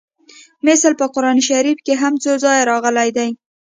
مثل په قران شریف کې هم څو ځایه راغلی دی